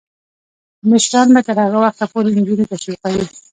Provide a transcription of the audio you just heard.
مشران به تر هغه وخته پورې نجونې تشویقوي.